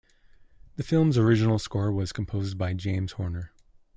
The film's original score was composed by James Horner.